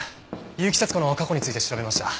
結城節子の過去について調べました。